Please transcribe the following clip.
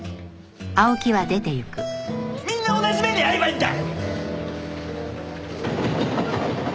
みんな同じ目に遭えばいいんだ！